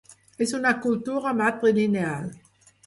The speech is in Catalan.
És una cultura matrilineal.